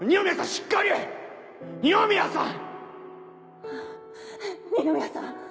しっかり‼二宮さん‼二宮さん！